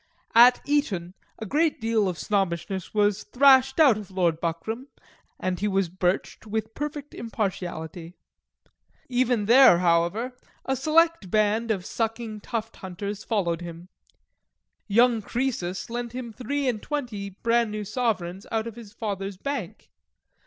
At Eton, a great deal of Snobbishness was thrashed out of Lord Buckram, and he was birched with perfect impartiality. Even there, however, a select band of sucking tuft hunters followed him. Young Croesus lent him three and twenty bran new sovereigns out of his father's bank.